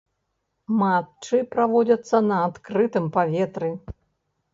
Матчы праводзяцца на адкрытым паветры.